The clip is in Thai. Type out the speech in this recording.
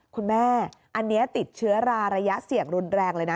คุณแม่อันนี้ติดเชื้อราระยะเสี่ยงรุนแรงเลยนะ